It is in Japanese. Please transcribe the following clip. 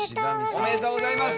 おめでとうございます！